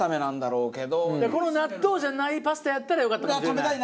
じゃあこの納豆じゃないパスタやったらよかったかもしれない？